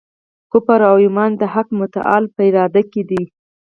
کفر او ایمان د حق متعال په اراده کي دی.